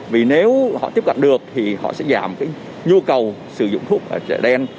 vì nếu họ tiếp cận được thì họ sẽ giảm nhu cầu sử dụng thuốc ở chợ đen